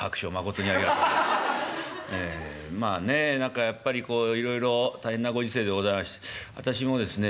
ええまあねえ何かやっぱりこういろいろ大変なご時世でございまして私もですね